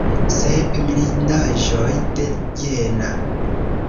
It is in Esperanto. Sep mirindaĵoj de Jena.